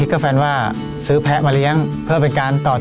ก็เลยคิดกับแฟนว่าซื้อแพะมาเลี้ยงเพื่อเป็นการต่อทุน